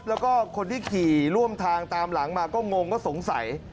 แล้วก็คนที่ขี่ร่วมทางตามหลังมาก็งงก็สงสัย